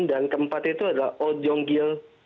dan keempat itu adalah oh jong gil